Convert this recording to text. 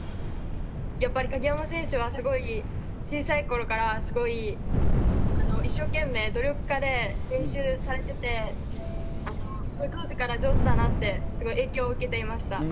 やっぱり鍵山選手はすごく小さい頃から一生懸命、努力家で練習されていて、当時から上手だなって影響を受けていました。